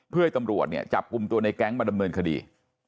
เพื่อให้ตำรวจเนี่ยจับกลุ่มตัวในแก๊งมาดำเนินคดี